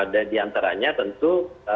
dan di antaranya tentu